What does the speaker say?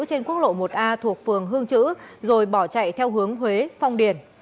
trên quốc lộ một a thuộc phường hương chữ rồi bỏ chạy theo hướng huế phong điền